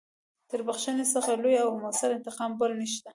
تر بخښنې څخه لوی او مؤثر انتقام بل نشته.